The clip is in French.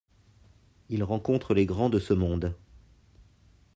Il rencontre les grands de ce monde.